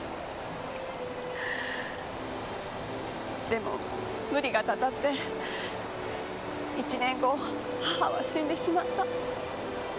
でも無理がたたって１年後母は死んでしまった。